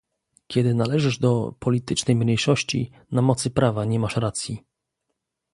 "Kiedy należysz do politycznej mniejszości, na mocy prawa nie masz racji"